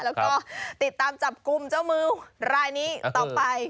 แล้วก็ติดตามจับกลุ่มเจ้ามือรายนี้ต่อไป